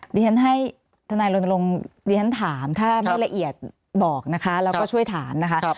ดิฉันให้ทนายรณรงค์ดิฉันถามถ้าไม่ละเอียดบอกนะคะแล้วก็ช่วยถามนะคะ